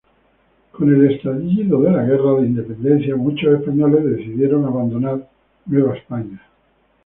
Con el estallido de la guerra de independencia, muchos españoles decidieron abandonar Nueva España.